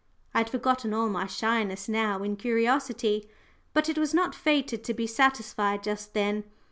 I had forgotten all my shyness now in curiosity. But it was not fated to be satisfied just then.